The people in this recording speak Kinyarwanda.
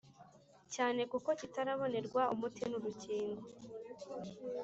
cyane kuko kitarabonerwa umuti nurukingo